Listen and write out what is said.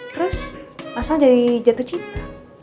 terus mas al jadi jatuh cinta